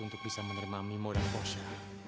untuk bisa menerima memo dan posya